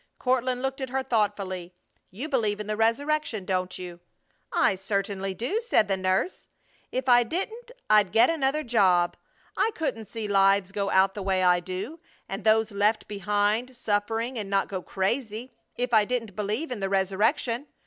Courtland looked at her thoughtfully. "You believe in the resurrection, don't you?" "I certainly do!" said the nurse. "If I didn't I'd get another job. I couldn't see lives go out the way I do, and those left behind, suffering, and not go crazy if I didn't believe in the resurrection.